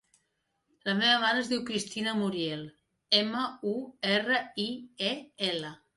La meva mare es diu Cristina Muriel: ema, u, erra, i, e, ela.